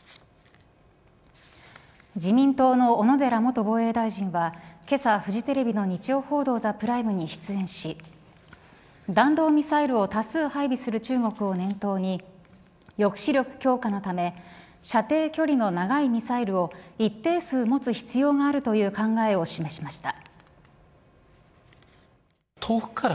自民党の小野寺元防衛大臣はけさテレビフジテレビの日曜報道ＴＨＥＰＲＩＭＥに出演し弾道ミサイルを多数配備する中国を念頭に抑止力強化のため射程距離の長いミサイルを一定数持つ必要があるという考えを示しました。